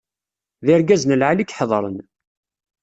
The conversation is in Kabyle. D irgazen lɛali i iḥeḍren.